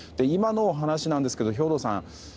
今の話なんですけど、兵頭さん